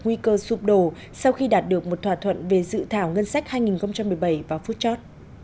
nguy cơ sụp đổ sau khi đạt được một thỏa thuận về dự thảo ngân sách hai nghìn một mươi bảy vào phút chót